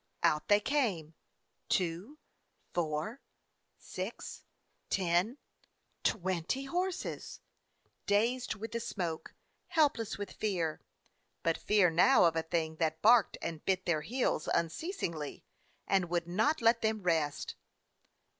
Out they came — two — four — six — ten — twenty horses, dazed with the smoke, helpless with fear; but fear now of a thing that barked and bit their heels unceasingly, and would not let them rest.